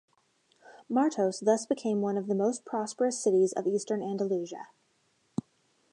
Martos thus became one of the most prosperous cities of eastern Andalusia.